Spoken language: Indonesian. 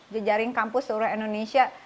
di jaring kampus seluruh indonesia